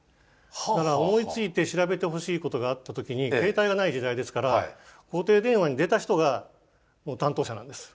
だから思いついて調べてほしいことがあった時に携帯が無い時代ですから固定電話に出た人がもう担当者なんです。